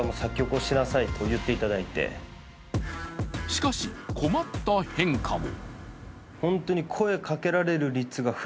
しかし、困った変化も。